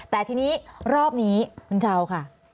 แต่ทีนี้รอบนี้คุณชาวค่ะ